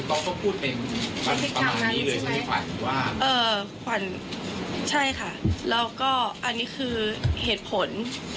โอเคพี่ป๊อบก็พูดเป็นขวัญใช่ค่ะแล้วก็อันนี้คือเหตุผล